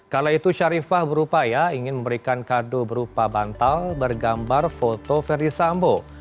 kala itu sharifah berupaya ingin memberikan kado berupa bantal bergambar foto ferdi sambo